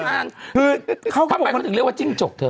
คือเขาก็บอกว่าทำไมเขาถึงเรียกว่าจิ้งจกเธอ